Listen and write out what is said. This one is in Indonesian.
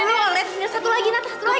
nanda satu lagi nanda satu lagi